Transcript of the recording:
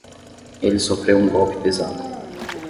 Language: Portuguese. Ele sofreu um golpe pesado